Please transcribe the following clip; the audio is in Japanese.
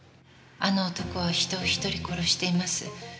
あの男は人を１人殺しています。